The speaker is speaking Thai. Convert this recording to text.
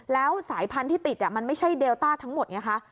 แล้วสายพันธุ์ที่ติดมันไม่ใช่เดลต้าทั้งหมดไงคะ